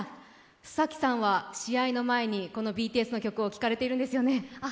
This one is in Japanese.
須崎さんは試合の前のこのＢＴＳの曲を聴かれているんですよね？